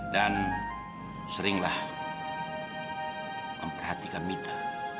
dan seringlah memperhatikan mita